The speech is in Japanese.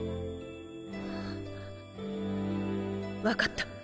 わかった。